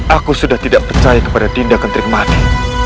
aku sudah tidak percaya kepada dinda kentrik mady